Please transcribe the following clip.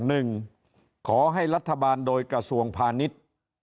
หนึ่งขอให้รัฐบาลโดยกระทรวงพาณิชย์